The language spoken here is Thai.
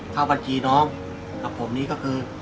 เข้าบัญชีน้องกับผมนี้ก็คือ